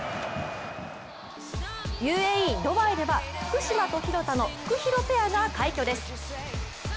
ＵＡＥ・ドバイでは福島と廣田のフクヒロペアが快挙です。